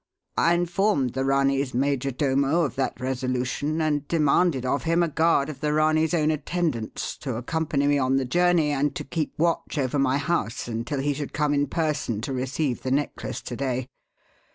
I informed the Ranee's major domo of that resolution, and demanded of him a guard of the Ranee's own attendants to accompany me on the journey and to keep watch over my house until he should come in person to receive the necklace to day.